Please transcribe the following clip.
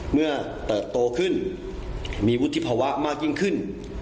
เติบโตขึ้นมีวุฒิภาวะมากยิ่งขึ้น